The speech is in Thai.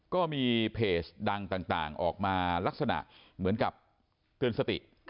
ก็มีเพจดังต่างออกมาลักษณะเหมือนกับเตือนสติ